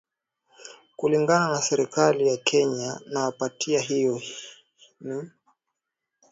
kulingana na serikali ya kenya nawapatia hiyo nii